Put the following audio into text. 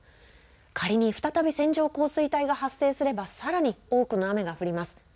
仮に再び線状降水帯が発生すればさらに多くの雨が降ります。